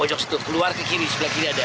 pojok situ keluar ke kiri sebelah kiri